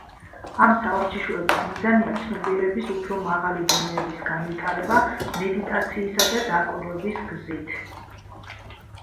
ამ სავარჯიშოების მიზანია ცნობიერების უფრო მაღალი დონეების განვითარება მედიტაციისა და დაკვირვების გზით.